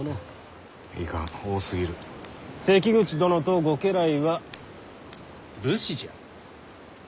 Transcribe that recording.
関口殿とご家来は武士じゃ。